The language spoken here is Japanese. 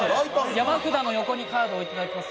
山札の横にカードを置いていただきます。